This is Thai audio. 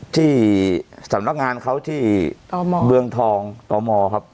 ที่สำนักงานเขาที่เมืองทองตมครับ